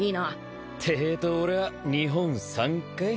てぇと俺は日本三かい？